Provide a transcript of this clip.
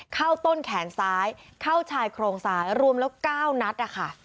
เข้าต้นแขนซ้ายเข้าชายโครงซ้ายรวมแล้ว๙นัดนะคะ